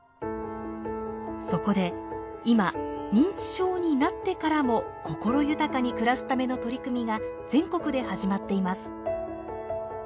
そこで今認知症になってからも心豊かに暮らすための取り組みが全国で始まっています。